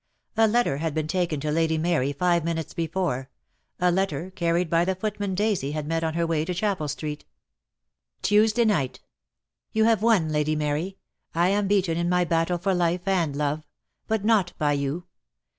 A letter had been taken to Lady Mary five minutes before — a letter carried by the footman Daisy had met on her way to Chapel Street. 2 70 DEAD LOVE HAS CHAINS. "Tuesday night. "You have won, Lady Mary. I am beaten in my battle for life and love; but not by you.